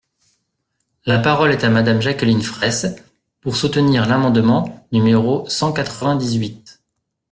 La parole est à Madame Jacqueline Fraysse, pour soutenir l’amendement numéro cent quatre-vingt-dix-huit.